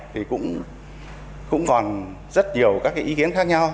thì cũng còn rất nhiều các cái ý kiến khác nhau